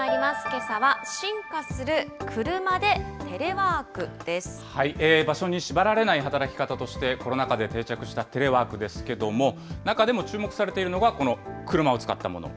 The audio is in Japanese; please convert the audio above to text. けさは進化する車でテレワークで場所に縛られない働き方として、コロナ禍で定着したテレワークですけれども、中でも注目されているのが、この車を使ったもの。